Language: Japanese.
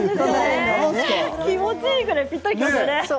気持ちいいぐらいぴったりですね。